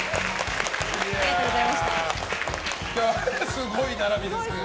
すごい並びです。